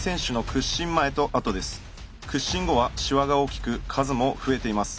屈伸後はシワが大きく数も増えています。